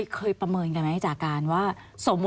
สวัสดีค่ะที่จอมฝันครับ